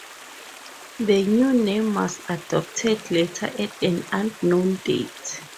The new name was adopted later at an unknown date.